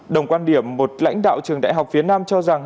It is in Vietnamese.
đồng quan điểm một lãnh đạo trường đại học phía nam cho rằng